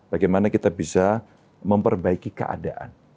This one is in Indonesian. bagaimana kita bisa memperbaiki keadaan